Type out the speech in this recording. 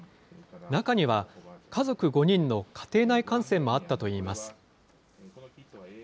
中には家族５人の家庭内感染もあったといいます。